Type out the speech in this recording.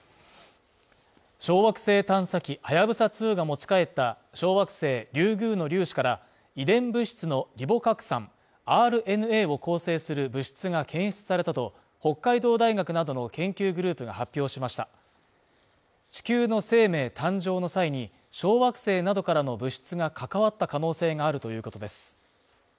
小惑星探査機「はやぶさ２」が持ち帰った小惑星リュウグウの粒子から遺伝物質のリボ核酸＝ＲＮＡを構成する物質が検出されたと、北海道大学などの研究グループが発表しました地球の生命誕生の際に、小惑星などからの物質が関わった可能性があるということです。